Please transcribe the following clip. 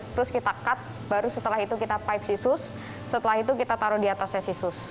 terus kita cut baru setelah itu kita pipe sisus setelah itu kita taruh di atasnya si sus